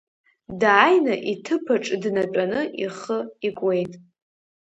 Дааины иҭыԥаҿ днатәаны ихы икуеит.